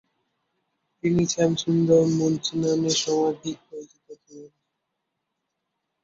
তিনি শ্যামসুন্দর মুন্সী নামে সমধিক পরিচিত ছিলেন।